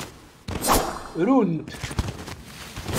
Runt.